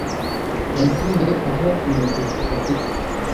Yagiye aho impeta zifatika